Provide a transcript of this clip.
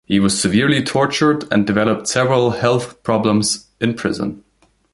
He was severely tortured and developed several health problems in prison.